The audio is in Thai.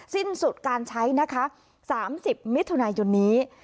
สิ้นสุดการใช้นะคะสามสิบมิตรทุนายนนี้